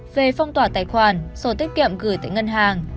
về phong tỏa tài khoản sổ tiết kiệm gửi tại ngân hàng